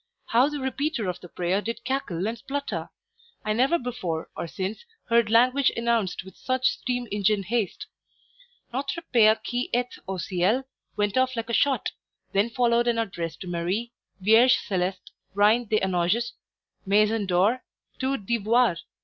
How the repeater of the prayer did cackle and splutter! I never before or since heard language enounced with such steam engine haste. "Notre Pere qui etes au ciel" went off like a shot; then followed an address to Marie "vierge celeste, reine des anges, maison d'or, tour d'ivoire!"